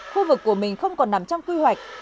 khu vực của mình không còn nằm trong quy hoạch